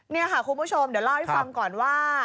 นี่ค่ะคุณผู้ชมเดี๋ยวเล่าให้ฟังก่อนว่า